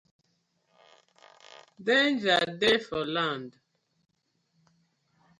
Danger dey for land.